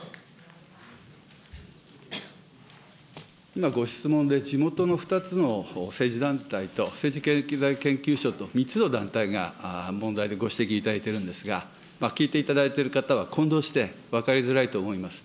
今ご質問で、地元の２つの政治団体と、政治経済研究所と、３つの団体が問題でご指摘いただいているんですが、聞いていただいている方は混同して分かりづらいと思います。